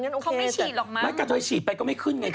เขาไม่ฉีดหรอกมั้ไม่กระเทยฉีดไปก็ไม่ขึ้นไงเธอ